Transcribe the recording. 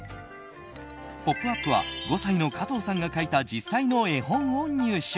「ポップＵＰ！」は５歳の加藤さんが描いた実際の絵本を入手。